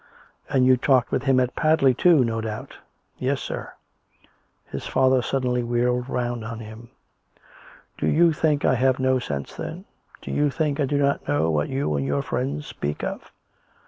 " And you talked with him at Padley, too, no doubt? "" Yes, sir." His father suddenly wheeled round on him. " Do you think I have no sense, then ? Do you think I do not know what you and your friends speak of.''